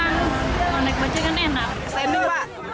kalau naik bajaj kan enak